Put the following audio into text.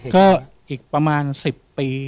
ก็อีกประมาณ๑๐ปี